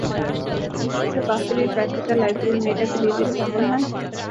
আচ্ছা কফির এই প্যাকেটটা লাইব্রেরির মেয়েটাকে দিয়ে দিলে কেমন হয়?